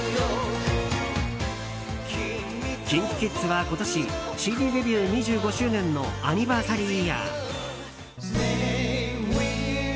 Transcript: ＫｉｎＫｉＫｉｄｓは今年ＣＤデビュー２５周年のアニバーサリーイヤー。